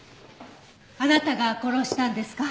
あなたが殺したんですか？